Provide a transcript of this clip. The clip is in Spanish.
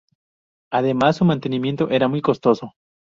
Además su mantenimiento era muy costoso.